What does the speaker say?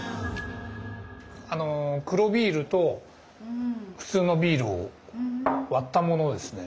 あの黒ビールと普通のビールを割ったものですね。